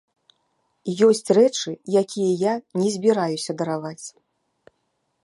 Ёсць рэчы, якія я не збіраюся дараваць.